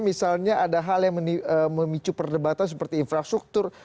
misalnya ada hal yang memicu perdebatan seperti infrastruktur